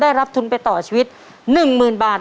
ได้รับทุนไปต่อชีวิต๑๐๐๐บาท